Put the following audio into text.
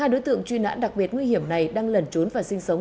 hai đối tượng truy nã đặc biệt nguy hiểm này đang lần trốn và sinh sống